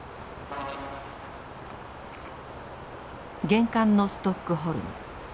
厳寒のストックホルム。